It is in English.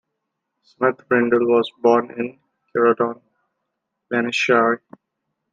Smith Brindle was born in Cuerdon, Lancashire.